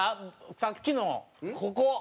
さっきのここ。